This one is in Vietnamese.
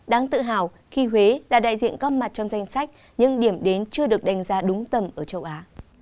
đáng tự hào khi huế đã đại diện góp mặt trong danh sách nhưng điểm đến chưa được đánh giá đúng tầm ở châu á